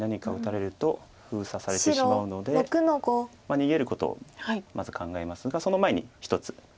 逃げることをまず考えますがその前に１つ。